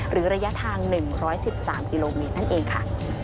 ระยะทาง๑๑๓กิโลเมตรนั่นเองค่ะ